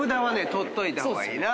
取っといた方がいいな。